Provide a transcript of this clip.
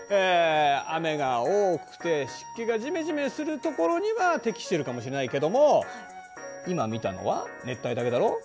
雨が多くて湿気がジメジメするところには適しているかもしれないけども今見たのは熱帯だけだろ？